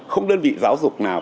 không đơn vị giáo dục nào